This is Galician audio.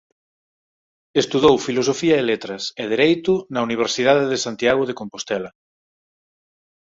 Estudou filosofía e letras e dereito na Universidade de Santiago de Compostela.